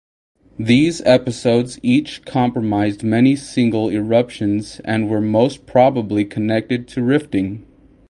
These episodes each comprised many single eruptions and were most probably connected to rifting.